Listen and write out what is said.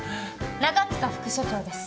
中塚副署長です。